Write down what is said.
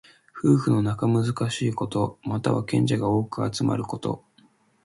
夫婦の仲がむつまじいこと。または、賢者が多く集まること。